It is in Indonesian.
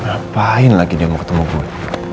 ngapain lagi dia mau ketemu gue